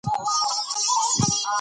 انګور د افغانانو د تفریح یوه وسیله ده.